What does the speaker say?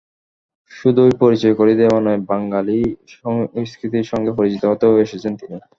শুধু পরিচয় করিয়ে দেওয়াই নয়, বাঙালি সংস্কৃতির সঙ্গে পরিচিত হতেও এসেছেন তিনি।